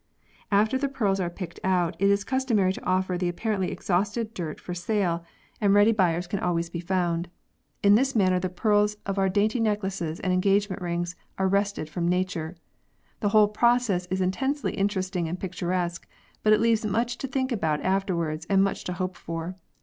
After the pearls are picked out, it is customary to offer the apparently exhausted dirt for sale, and vi] A CEYLON PEARL FISHERY 83 ready buyers can always be found. In this manner the pearls of our dainty necklaces and engagement rings are wrested from Nature. The whole process is intensely interesting and picturesque, but it leaves much to think about afterwards and much to hope for.